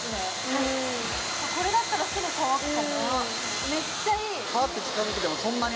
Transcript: はいこれだったらすぐ乾くからめっちゃいい！